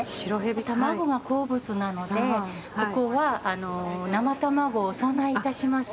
卵が好物なのでここは、生卵をお供えいたします。